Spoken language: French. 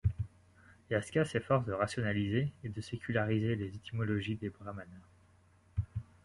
Yāska s’efforce de rationaliser et de séculariser les étymologies des Brahmana.